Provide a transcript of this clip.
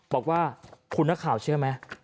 บอกว่าคุณนักข่าวเชื่อไหม